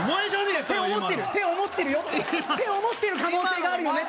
今のって思ってるって思ってるよって思ってる可能性があるよねって